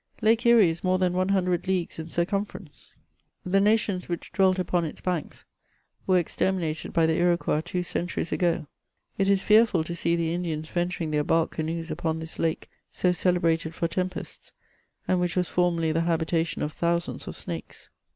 Lake Erie is more than 100 leagues in circumference ; the nations which dwelt upon its banks were ex terminated by the Iroquois two centuries ago. It is fearful to see the Indians venturing their bark canoes upon this lake so cele* brated for tempests, and which was formerly the habitation of thousands of snakes.